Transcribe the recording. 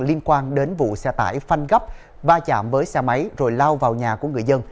liên quan đến vụ xe tải phanh gấp va chạm với xe máy rồi lao vào nhà của người dân